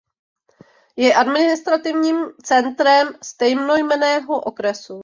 Je administrativním centrem stejnojmenného okresu.